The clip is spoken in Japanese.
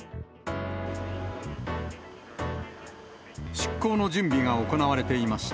出港の準備が行われていました。